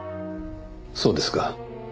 そうですか。